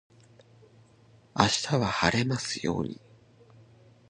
明日は晴れますよ